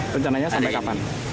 rencananya sampai kapan